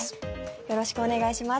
よろしくお願いします。